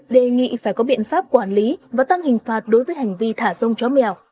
đề nghị phải có biện pháp quản lý và tăng hình phạt đối với hành vi thả rông chó mèo